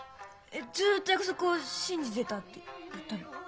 「ずっと約束を信じてた」って言ったの？